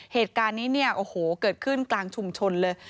เหตุการณ์นี้เนี่ยโอ้โหเกิดขึ้นกลางชุมชนเลย